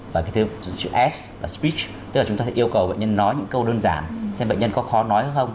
và cái chữ s là speech tức là chúng ta sẽ yêu cầu bệnh nhân nói những câu đơn giản xem bệnh nhân có khó nói hay không